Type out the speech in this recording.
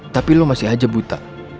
tapi lo masih aja buta